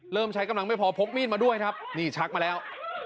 ใช้กำลังไม่พอพกมีดมาด้วยครับนี่ชักมาแล้ว